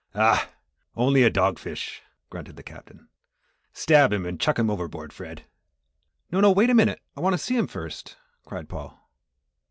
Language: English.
"Ugh! only a dog fish," grunted the Captain. "Stab him and chuck him overboard, Fred." "No, no wait a minute, I want to see him first," cried Paul.